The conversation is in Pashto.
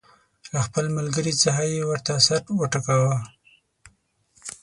له خپل ملګري څخه یې ورته سر وټکاوه.